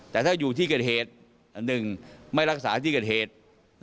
แต่ถ้าอยู่ที่เกิดเหตุ๑ไม่รักษาที่เกิดเหตุ